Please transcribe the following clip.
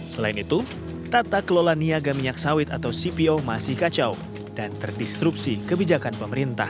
selain itu tata kelola niaga minyak sawit atau cpo masih kacau dan terdistrupsi kebijakan pemerintah